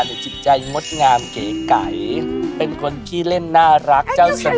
จิตใจงดงามเก๋ไก่เป็นคนขี้เล่นน่ารักเจ้าสัว